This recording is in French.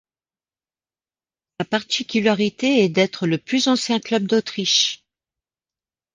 Sa particularité est d'être le plus ancien club d'Autriche.